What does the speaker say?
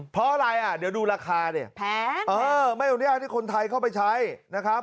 เพราะอะไรอ่ะเดี๋ยวดูราคาเนี่ยแพงเออไม่อนุญาตให้คนไทยเข้าไปใช้นะครับ